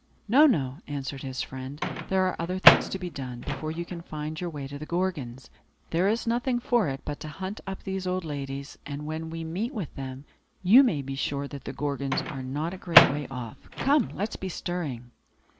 "No, no," answered his friend. "There are other things to be done, before you can find your way to the Gorgons. There is nothing for it but to hunt up these old ladies; and when we meet with them, you may be sure that the Gorgons are not a great way off. Come, let us be stirring!"